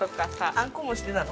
あんこもしてたの？